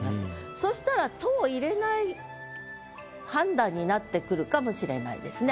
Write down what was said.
そしたら「と」を入れない判断になってくるかもしれないですね。